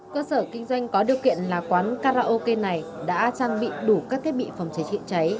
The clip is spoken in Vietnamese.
cơ sở kinh doanh có điều kiện là quán karaoke này đã trang bị đủ các thiết bị phòng cháy chữa cháy